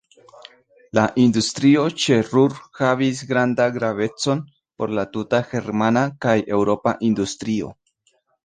La industrio ĉe Ruhr havis grandan gravecon por la tuta germana kaj eŭropa industrio.